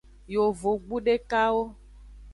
Yovogbu dekawo.